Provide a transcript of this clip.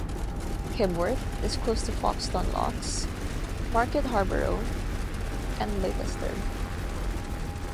Kibworth is close to Foxton Locks, Market Harborough, and Leicester.